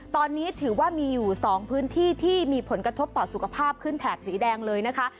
ตอนนี้ถือว่ามีอยู่๒พื้นที่ที่มีผลกระทบต่อสุขภาพขึ้นแถบสีแดงเลยนะคะ